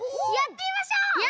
やってみましょう！